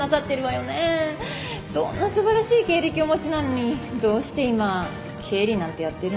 そんなすばらしい経歴をお持ちなのにどうして今経理なんてやってるの？